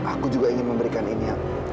aku juga ingin memberikan ini ya